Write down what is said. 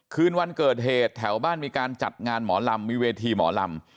คืนวันเกิดเหตุแถวบ้านมีการจัดงานหมอลำมีเวทีหมอลำ